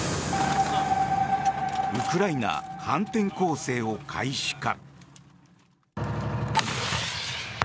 ウクライナ反転攻勢を開始か？